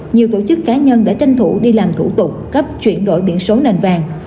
nhiều tổ chức cá nhân đã tranh thủ đi làm thủ tục cấp chuyển đổi biển số nền vàng